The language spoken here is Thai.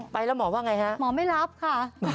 ไปแล้วหมอว่าไงฮะหมอไม่รับค่ะ